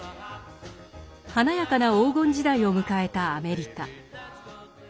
華やかな黄金時代を迎えたアメリカ。